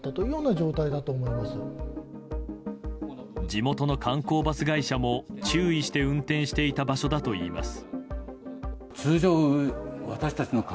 地元の観光バス会社も注意して運転していた場所だといいます。